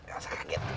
gak usah kaget